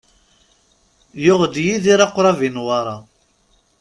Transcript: Yuɣ-d Yidir aqrab i Newwara.